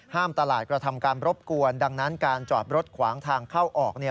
ตลาดกระทำการรบกวนดังนั้นการจอดรถขวางทางเข้าออกเนี่ย